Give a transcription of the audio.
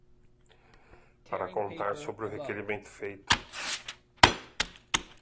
Para contar sobre o requerimento feito